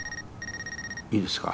いいですか？